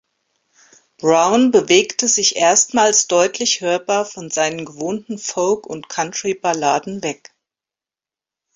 Browne bewegte sich erstmals deutlich hörbar von seinen gewohnten Folk- und Country-Balladen weg.